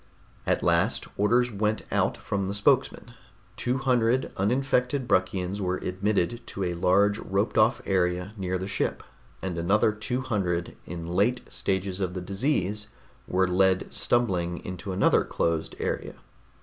At last, orders went out from the spokesman. Two hundred uninfected Bruckians were admitted to a large roped off area near the ship, and another two hundred in late stages of the disease were led stumbling into another closed area.